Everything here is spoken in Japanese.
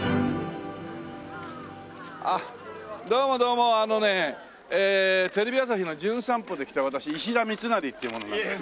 あっどうもどうもあのねテレビ朝日の『じゅん散歩』で来た私石田三成っていう者なんです。